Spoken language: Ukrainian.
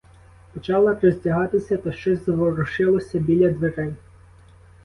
Почала роздягатися та щось заворушилося біля дверей.